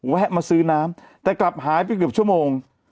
แวะมาซื้อน้ำแต่กลับหายไปเกือบชั่วโมง